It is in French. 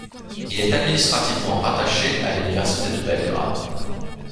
Il est administrativement rattaché à l'Université de Belgrade.